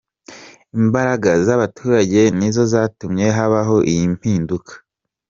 Imbaraga z’abaturage nizo zatumye habaho iyi mpinduka.